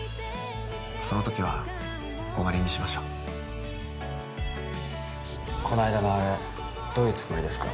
その時は終わりにしましょうこの間のあれどういうつもりですか？